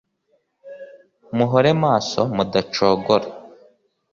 muhore maso mudacogora